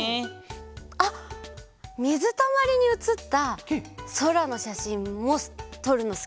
あっみずたまりにうつったそらのしゃしんもとるのすきだった。